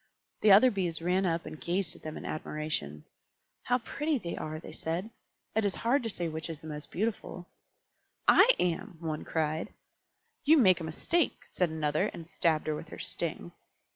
The other Bees ran up and gazed at them in admiration. "How pretty they are!" they said. "It is hard to say which is the most beautiful." "I am!" one cried. "You make a mistake," said another, and stabbed her with her sting.